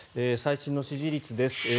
最新の支持率です。